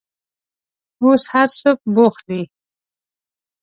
اوس هر څوک بوخت دي.